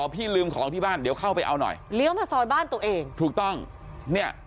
พี่ลืมของที่บ้านเดี๋ยวเข้าไปเอาหน่อยเลี้ยวมาซอยบ้านตัวเองถูกต้องเนี่ย